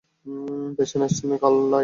Patient Stanton Carlyle.